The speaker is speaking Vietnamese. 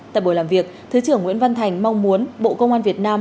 tại buổi làm việc thứ trưởng nguyễn văn thành mong muốn bộ công an việt nam